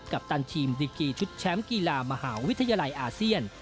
ปตันทีมดิกีชุดแชมป์กีฬามหาวิทยาลัยอาเซียน